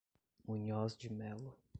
Munhoz de Mello